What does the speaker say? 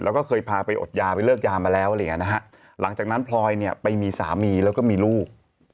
แล้วก็เคยพาไปอดยาไปเลิกยามาแล้วหลังจากนั้นพลอยไปมีสามีแล้วก็มีลูก